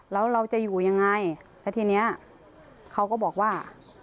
แล้วเราจะอยู่ยังไงแล้วทีนี้เขาก็บอกว่า